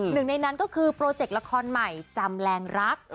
หนึ่งในนั้นก็คือโปรเจกต์ละครใหม่จำแรงรัก